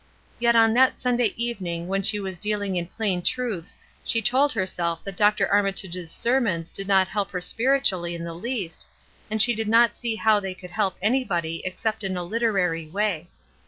Yet on that Sunday evening when she was dealing in plain truths she told herself that Dr. Armitage's sermons did not help her spiritually in the least, and she did not see how they could help anybody except in a Uterary way.